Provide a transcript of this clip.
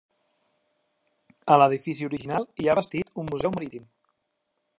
A l'edifici original hi ha bastit un museu marítim.